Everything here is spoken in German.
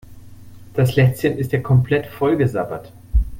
Das Lätzchen ist ja komplett vollgesabbert.